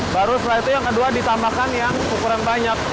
baru setelah itu yang kedua ditambahkan yang ukuran banyak